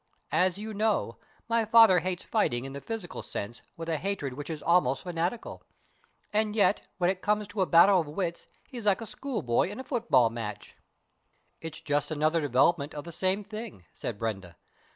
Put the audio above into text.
As you know, my father hates fighting in the physical sense with a hatred which is almost fanatical, and yet, when it comes to a battle of wits, he's like a schoolboy in a football match." "It's just another development of the same thing," said Brenda.